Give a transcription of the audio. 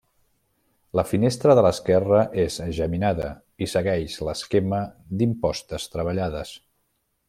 La finestra de l'esquerra és geminada i segueix l'esquema d'impostes treballades.